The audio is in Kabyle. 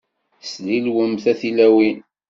Slilwemt a tilawin.